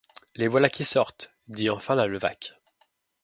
Les voilà qui sortent, dit enfin la Levaque.